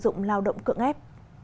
sử dụng lao động cưỡng ép